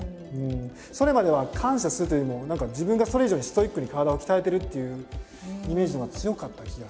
それまでは感謝するというよりも何か自分がそれ以上にストイックに体を鍛えてるっていうイメージのほうが強かった気が。